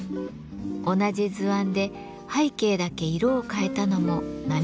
同じ図案で背景だけ色を変えたのも並河の特徴。